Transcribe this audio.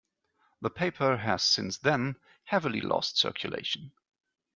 The paper has since then heavily lost circulation.